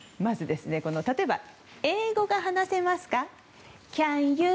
例えば、英語が話せますか？